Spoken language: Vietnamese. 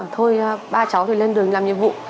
thôi ba cháu lên đường làm nhiệm vụ